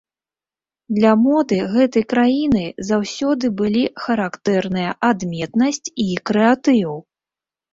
Для моды гэтай краіны заўсёды былі характэрныя адметнасць і крэатыў.